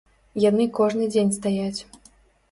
Яны кожны дзень стаяць.